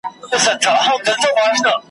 بې خودي